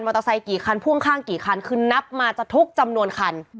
เตอร์ไซคกี่คันพ่วงข้างกี่คันคือนับมาจะทุกจำนวนคัน